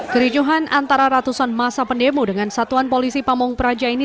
kericuhan antara ratusan masa pendemo dengan satuan polisi pamung praja ini